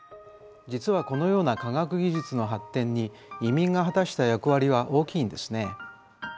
実はこのような科学技術の発展に移民が果たした役割は大きいんですね。